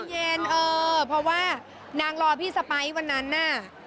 ไม่ใจเย็นเออเพราะว่านางรอพี่สไป๊วันนั้นน่ะ